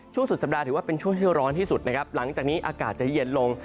สุดสัปดาห์ถือว่าเป็นช่วงที่ร้อนที่สุดนะครับหลังจากนี้อากาศจะเย็นลง